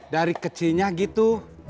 dari kecilnya gitu